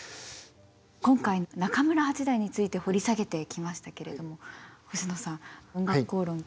今回中村八大について掘り下げてきましたけれども星野さん「おんがくこうろん」